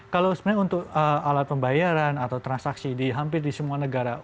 kalau sebenarnya untuk alat pembayaran atau transaksi di hampir di semua negara